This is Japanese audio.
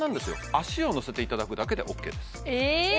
足を乗せていただくだけでＯＫですえ